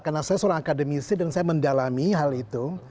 karena saya seorang akademisi dan saya mendalami hal itu